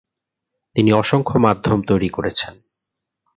তিনি অসংখ্য মাধ্যম তৈরি করেছেন।